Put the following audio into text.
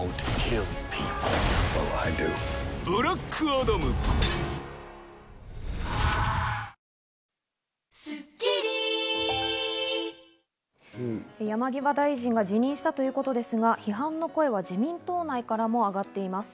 多数矛盾が出ましたし、山際大臣が辞任したということですが、批判の声は自民党内からもあがっています。